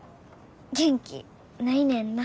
元気ないねんな。